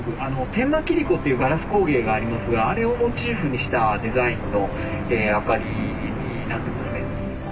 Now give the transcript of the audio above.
天満切子っていうガラス工芸がありますがあれをモチーフにしたデザインの明かりになってますね。